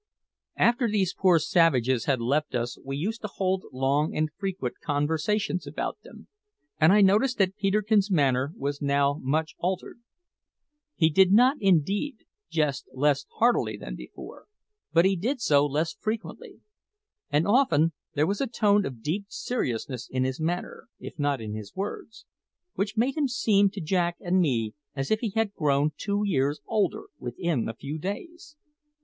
After these poor savages had left us we used to hold long and frequent conversations about them, and I noticed that Peterkin's manner was now much altered. He did not, indeed, jest less heartily than before, but he did so less frequently; and often there was a tone of deep seriousness in his manner, if not in his words, which made him seem to Jack and me as if he had grown two years older within a few days.